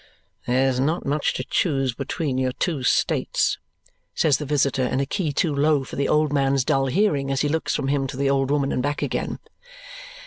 "There's not much to choose between your two states," says the visitor in a key too low for the old man's dull hearing as he looks from him to the old woman and back again.